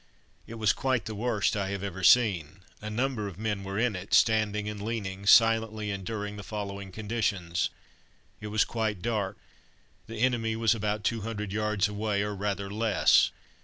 It was quite the worst I have ever seen. A number of men were in it, standing and leaning, silently enduring the following conditions. It was quite dark. The enemy was about two hundred yards away, or rather less.